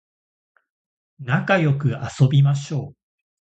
なかよく遊びましょう